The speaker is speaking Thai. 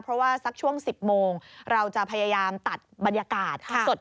เพราะว่าสักช่วง๑๐โมงเราจะพยายามตัดบรรยากาศสด